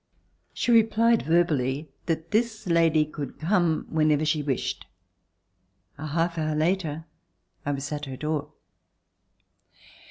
'* She replied verbally that this lady could come when ever she wished. A half hour later I was at her door.